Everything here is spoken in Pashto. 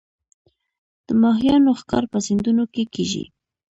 د ماهیانو ښکار په سیندونو کې کیږي